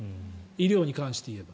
医療に関していえば。